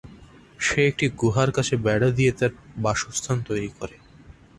সে একটি গুহার কাছে বেড়া দিয়ে তার বাসস্থান তৈরি করে।